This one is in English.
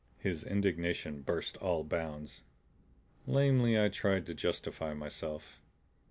His indignation burst all bounds. Lamely I tried to justify myself.